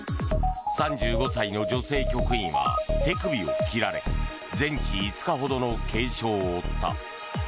３５歳の女性局員は手首を切られ全治５日ほどの軽傷を負った。